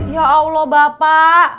ya allah bapak